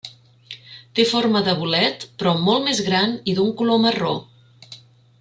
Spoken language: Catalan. Té forma de bolet, però molt més gran i d'un color marró.